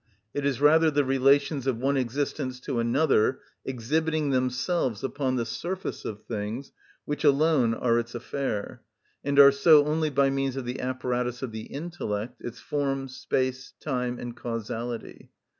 It is rather the relations of one existence to another, exhibiting themselves upon the surface of things, which alone are its affair, and are so only by means of the apparatus of the intellect, its forms, space, time, and causality.